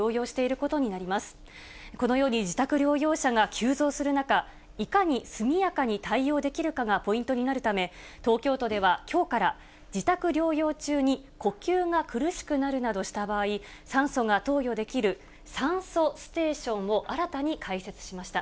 このように自宅療養者が急増する中、いかに速やかに対応できるかがポイントになるため、東京都では、きょうから、自宅療養中に呼吸が苦しくなるなどした場合、酸素が投与できる酸素ステーションを新たに開設しました。